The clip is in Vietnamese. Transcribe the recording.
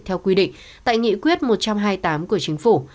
theo quy định tại nghị quyết một trăm hai mươi tám của chính phủ